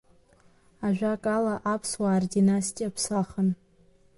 Ажәакала, аԥсуаа рдинастиа ԥсахын.